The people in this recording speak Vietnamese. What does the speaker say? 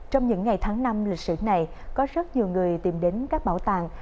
trong những ngày tháng năm lịch sử này có rất nhiều người tìm đến các bảo tàng